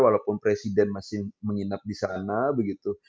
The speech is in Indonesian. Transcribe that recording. walaupun presiden masih menginap di sana begitu